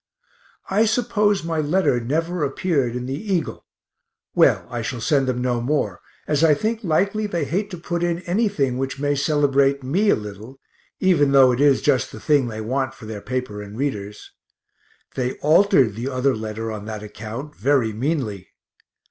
I suppose my letter never appeared in the Eagle; well, I shall send them no more, as I think likely they hate to put in anything which may celebrate me a little, even though it is just the thing they want for their paper and readers. They altered the other letter on that account, very meanly.